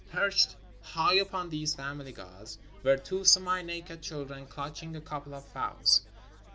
Perched high upon these family gods were two semi naked children clutching a couple of fowls.